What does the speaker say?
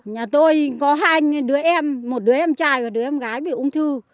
nhà tôi có hai đứa em một đứa em trai và đứa em gái bị ung thư